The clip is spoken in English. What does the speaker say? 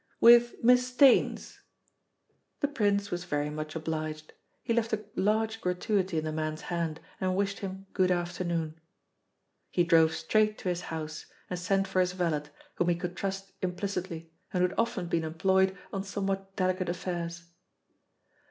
"With Miss Staines." The Prince was very much obliged. He left a large gratuity in the man's hand, and wished him good afternoon. He drove straight to his house, and sent for his valet, whom he could trust implicitly, and who had often been employed on somewhat delicate affairs.